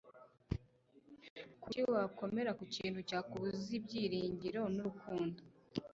kuki wakomera ku kintu cyakubuza ibyiringiro n'urukundo